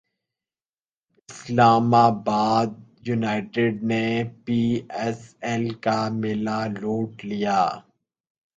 اسلام باد united P S L ایل کا میلہ لوٹ لیا